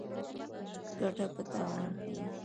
ګټه په تاوان کیږي.